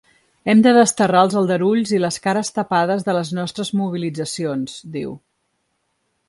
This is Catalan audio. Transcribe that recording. Hem de desterrar els aldarulls i les cares tapades de les nostres mobilitzacions, diu.